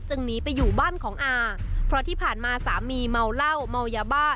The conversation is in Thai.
หนีไปอยู่บ้านของอาเพราะที่ผ่านมาสามีเมาเหล้าเมายาบ้า